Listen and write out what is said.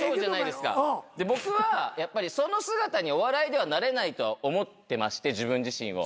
で僕はやっぱりその姿にはお笑いではなれないと思ってまして自分自身を。